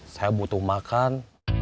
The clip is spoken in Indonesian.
saya butuh makan